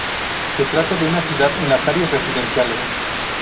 Se trata de una ciudad en las áreas residenciales.